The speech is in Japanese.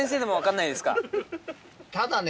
ただね